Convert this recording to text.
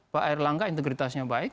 pak erlangga integritasnya baik